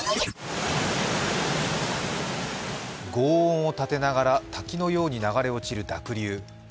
ごう音を立てながら滝のように流れ落ちる濁流。